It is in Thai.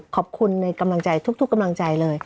ขอบคุณในกำลังใจทุกกำลังใจเลย